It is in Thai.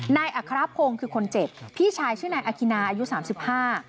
อัครพงศ์คือคนเจ็บพี่ชายชื่อนายอคินาอายุสามสิบห้า